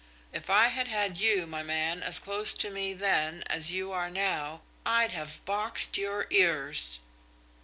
If I had had you, my man, as close to me then as you are now, I'd have boxed your ears."